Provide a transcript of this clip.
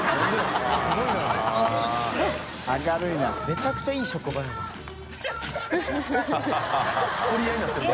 めちゃくちゃいい職場やな小芝）